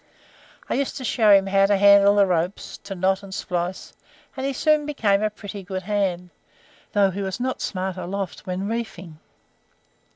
I used to show him how to handle the ropes, to knot and splice, and he soon became a pretty good hand, though he was not smart aloft when reefing.